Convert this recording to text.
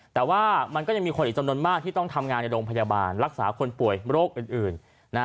แต่ว่ามันก็ยังมีคนอีกจำนวนมากที่ต้องทำงานในโรงพยาบาลรักษาคนป่วยโรคอื่น